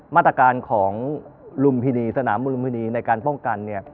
มาตรการของลุมพินีสนามมุลุมพินีในการป้องกันเนี่ย